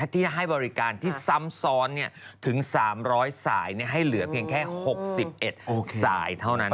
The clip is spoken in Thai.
ที่ให้บริการที่ซ้ำซ้อนถึง๓๐๐สายให้เหลือเพียงแค่๖๑สายเท่านั้น